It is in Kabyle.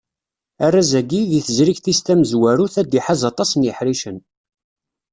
Arraz-agi, deg tezrigt-is tamezwarut, ad iḥaz aṭas n yiḥricen.